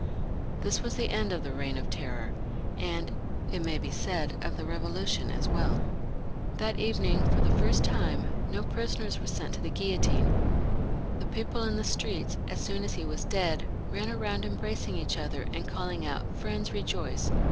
This was the end of the Eeign of Terror, and it may be said of the Eevolution as welL That evening, for the first time, no prisoners were sent to the guillotine ; the people in the streets, as soon as he was dead, ran about embracing each other, and calling out, " Friends, rejoice.